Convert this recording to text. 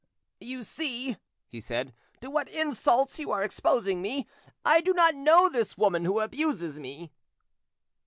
"You see," he said, "to what insults you are exposing me. I do not know this woman who abuses me."